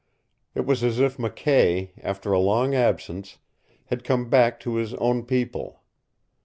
It was as if McKay, after a long absence, had come back to his own people.